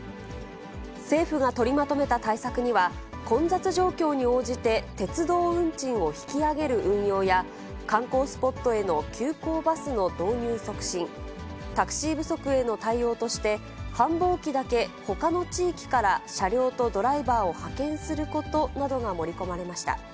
政府が取りまとめた対策には、混雑状況に応じて、鉄道運賃を引き上げる運用や観光スポットへの急行バスの導入促進、タクシー不足への対応として、繁忙期だけほかの地域から車両とドライバーを派遣することなどが盛り込まれました。